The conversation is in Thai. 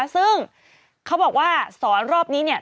ซึ่งเขาบอกว่าสอนรอบนี้เนี่ย